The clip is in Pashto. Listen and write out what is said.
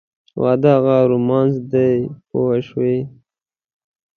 واده هغه رومانس دی پوه شوې!.